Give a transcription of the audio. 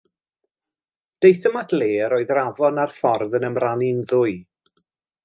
Daethom at le yr oedd yr afon a'r ffordd yn ymrannu'n ddwy.